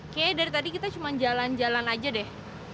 kayaknya dari tadi kita cuma jalan jalan aja deh